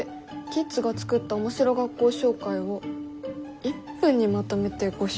キッズが作った面白学校紹介を１分にまとめてご紹介」？